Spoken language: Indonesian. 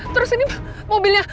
terus ini mobilnya